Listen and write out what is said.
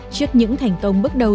trước những thành công bước đầu